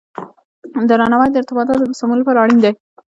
درناوی د ارتباطاتو د سمون لپاره اړین دی.